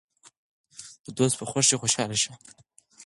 د دوست په خوښۍ خوشحاله شئ.